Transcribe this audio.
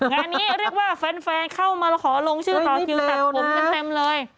งานนี้เรียกว่าแฟนเข้ามาขอลงชื่อต่อคิวตัดผมกันเต็มเลย